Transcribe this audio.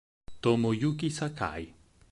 Tomoyuki Sakai